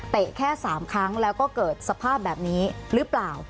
แค่๓ครั้งแล้วก็เกิดสภาพแบบนี้หรือเปล่า